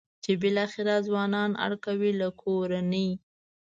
چې بالاخره ځوانان اړ کوي له کورنۍ.